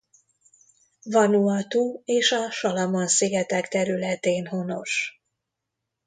Vanuatu és a Salamon-szigetek területén honos.